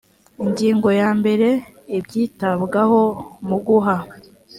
ingingo ya mbere ibyitabwaho mu guha